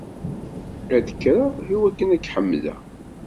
Ad d-kkreɣ iwakken ad k-ḥemdeɣ.